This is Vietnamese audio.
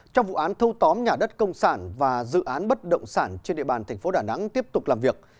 trong vụ án thâu tóm nhà đất công sản và dự án bất động sản trên địa bàn tp đà nẵng tiếp tục làm việc